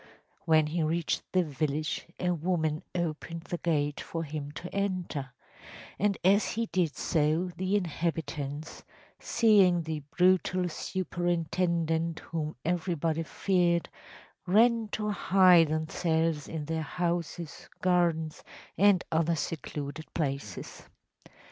When he reached the village a woman opened the gate for him to enter, and as he did so the inhabitants, seeing the brutal superintendent whom everybody feared, ran to hide themselves in their houses, gardens, and other secluded places.